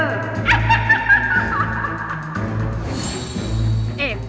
ก็ยิ่งเริ่ม